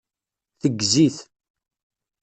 Teggez-it.